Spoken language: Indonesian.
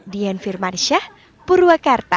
dian firmansyah purwakarta